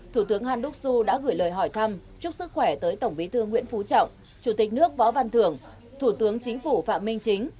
thủ tướng handoss su đã gửi lời hỏi thăm chúc sức khỏe tới tổng bí thư nguyễn phú trọng chủ tịch nước võ văn thưởng thủ tướng chính phủ phạm minh chính